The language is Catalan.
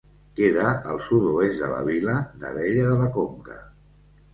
Queda al sud-oest de la vila d'Abella de la Conca.